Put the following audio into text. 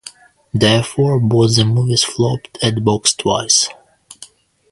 Therefore, both the movies flopped at box office.